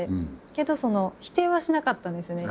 けど否定はしなかったんですよね。